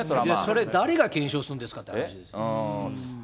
それ、誰が検証するのかっていう話ですよ。